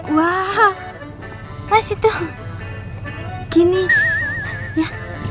wow mas itu gini ya